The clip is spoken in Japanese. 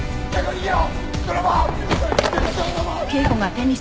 逃げろ！